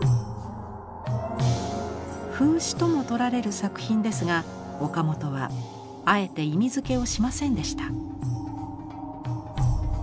風刺とも取られる作品ですが岡本はあえて意味付けをしませんでした。